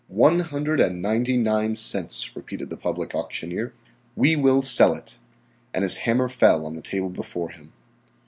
"One hundred and ninety nine cents," repeated the public auctioneer. "We will sell it," and his hammer fell on the table before him.